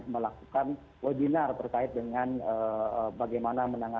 melakukan wajinar terkait dengan bagaimana menangani covid sembilan belas